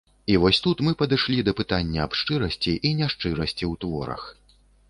І вось тут мы падышлі да пытання аб шчырасці і няшчырасці ў творах.